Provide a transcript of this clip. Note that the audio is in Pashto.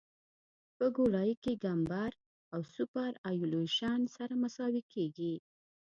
په ګولایي کې کمبر او سوپرایلیویشن سره مساوي کیږي